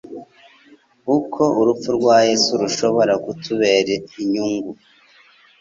uko urupfu rwa yesu rushobora kutubera inyungu